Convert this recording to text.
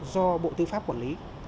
do bộ tư pháp quản lý